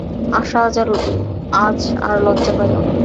আশা আজ আর লজ্জা পাইল না।